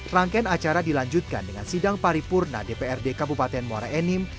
rangkaian acara dilanjutkan dengan sidang paripurna dprd kabupaten muara enim